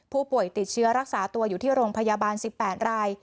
ผู้ป่วยติดเชื้อรักษาตัวอยู่ที่โรงพยาบาล๑๘ราย